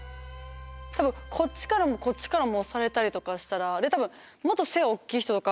多分こっちからもこっちからも押されたりとかしたらで多分もっと背が大きい人とか。